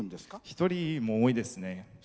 一人も多いですね。